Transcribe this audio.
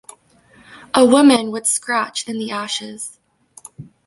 A woman would scratch in the ashes.